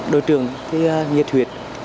đội trưởng thì nhiệt huyệt